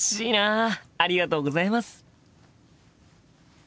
ありがとうございます。